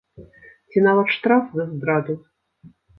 Ці нават штраф за здраду!